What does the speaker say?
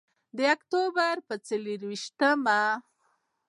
د اکتوبر په څلور ویشتمه.